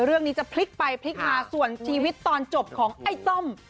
เรื่องนี้จะพลิกไปพลิกมาส่วนชีวิตตอนจบของไอ้ต้อม